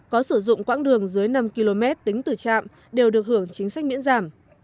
có sử dụng quãng đường dưới năm km tính từ trạm đều được hưởng chính sách miễn giảm